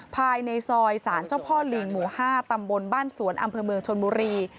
ภายในซอยสารเจ้าพ่อลิงหมู่๕ตำบลบ้านสวนอำเภอเมืองชนบุรี